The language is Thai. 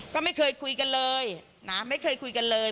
ก็ไม่เคยคุยกันเลยนะไม่เคยคุยกันเลย